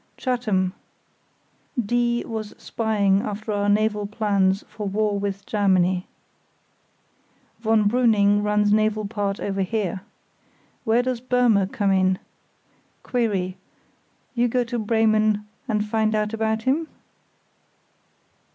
Chatham—D. was spying after our naval plans for war with Germany. Von Brooning runs naval part over here. Where does Burmer come in? Querry—you go to Bremen and find out about him?